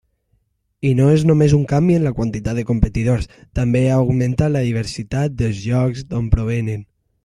I no és només un canvi en la quantitat de competidors, també ha augmentat la diversitat dels llocs d'on provenen.